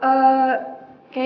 saya aku lebih